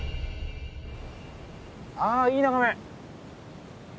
あいい眺め。